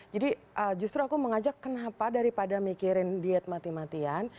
jadi justru aku mengajak kenapa daripada mikirin diet mati matian